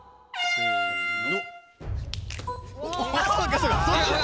せの。